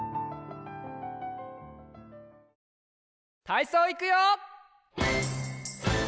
たいそういくよ！